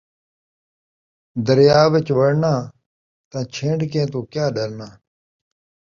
دریا وچ وڑݨا تاں چھن٘ڈکیں توں کیا ݙرݨا